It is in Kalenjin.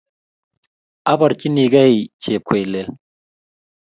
Abarchinigei Chepkoilel.